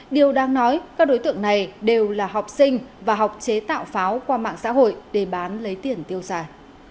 điều đang nói các đối tượng này đều là học sinh và học chế tạo pháo qua mạng xã hội để bán lấy tiền tiêu xài